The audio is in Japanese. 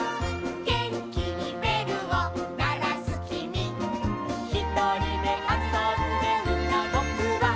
「げんきにべるをならすきみ」「ひとりであそんでいたぼくは」